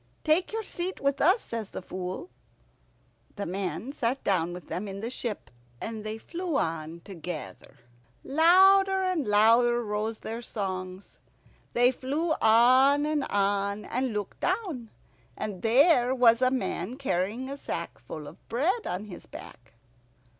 "Take your seat with us," says the Fool. The man sat down with them in the ship, and they flew on together. Louder and louder rose their songs. They flew on and on, and looked down, and there was a man carrying a sack full of bread on his back.